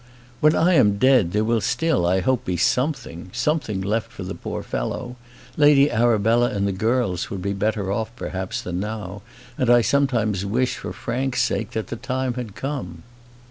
"When I am dead there will still, I hope, be something; something left for the poor fellow. Lady Arabella and the girls would be better off, perhaps, than now, and I sometimes wish, for Frank's sake, that the time had come."